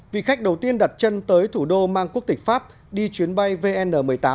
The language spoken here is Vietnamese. vị khách đầu tiên đặt chân tới thủ đô mang quốc tịch pháp đi chuyến bay vn một mươi tám